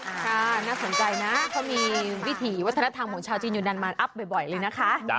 น่าสนใจนะเขามีวิถีวัฒนธรรมของชาวจีนอยู่นานมารอัพบ่อยเลยนะคะ